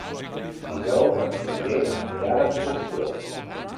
Dijous en Roger anirà d'excursió.